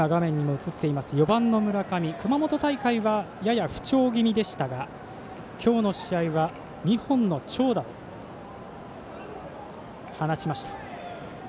４番の村上熊本大会はやや不調気味でしたが今日の試合は２本の長打、放ちました。